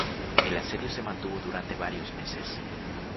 El asedio se mantuvo durante varios meses.